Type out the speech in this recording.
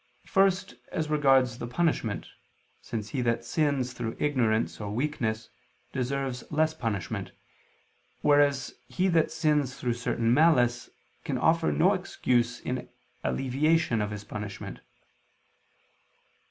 First, as regards the punishment, since he that sins through ignorance or weakness, deserves less punishment, whereas he that sins through certain malice, can offer no excuse in alleviation of his punishment.